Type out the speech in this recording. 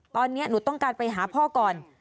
ตอนนี้หนูต้องการไปหาพ่อก่อน